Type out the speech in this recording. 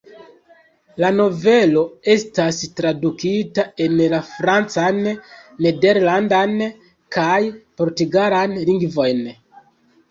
La novelo estas tradukita en la francan, nederlandan kaj portugalan lingvojn.